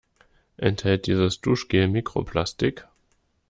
Enthält dieses Duschgel Mikroplastik?